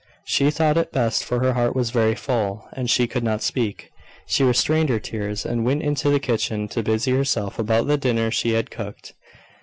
She thought it best; for her heart was very full, and she could not speak. She restrained her tears, and went into the kitchen to busy herself about the dinner she had cooked.